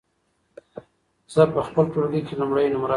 زه په خپل ټولګي کې لومړی نمره سوم.